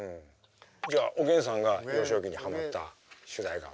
じゃあおげんさんが幼少期にハマった主題歌は？